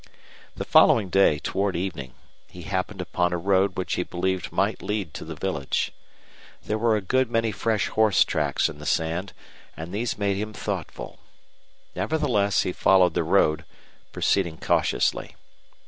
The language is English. The following day, toward evening, he happened upon a road which he believed might lead to the village. There were a good many fresh horse tracks in the sand, and these made him thoughtful. Nevertheless, he followed the road, proceeding cautiously.